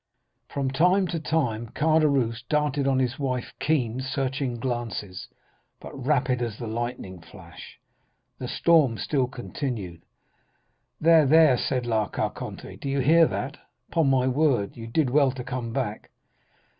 "From time to time Caderousse darted on his wife keen, searching glances, but rapid as the lightning flash. The storm still continued. "'There, there,' said La Carconte; 'do you hear that? upon my word, you did well to come back.